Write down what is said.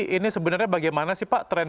ini sebenarnya bagaimana sih pak tren